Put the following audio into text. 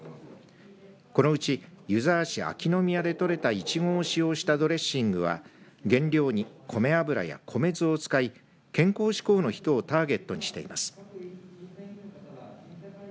このうち湯沢市秋ノ宮で取れたいちごを使用したドレッシングは原料に、米油や米酢を使い健康志向の人をターゲットにしています。